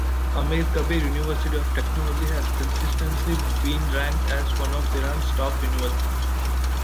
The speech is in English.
Amirkabir University of Technology has consistently been ranked as one of Iran's top universities.